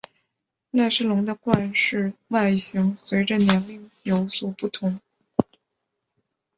赖氏龙的冠饰外形随者年龄而有所不同。